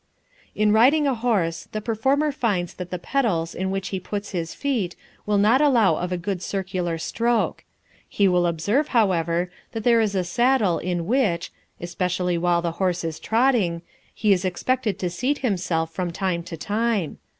In riding a horse the performer finds that the pedals in which he puts his feet will not allow of a good circular stroke. He will observe, however, that there is a saddle in which especially while the horse is trotting he is expected to seat himself from time to time.